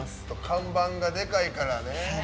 看板がでかいからね。